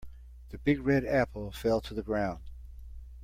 The big red apple fell to the ground.